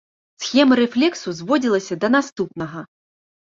Схема рэфлексу зводзілася да наступнага.